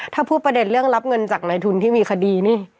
ถ้าพูดประเด็นเรื่องรับเงินจากในทุนที่มีคดีนี่